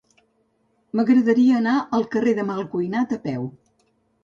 M'agradaria anar al carrer del Malcuinat a peu.